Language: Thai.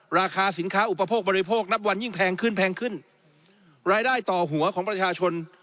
ราคาสินค้าอุปโภคบริโคนับวันยิ่งแพงขึ้นแพงขึ้นรายได้ต่อหัวของประชาชน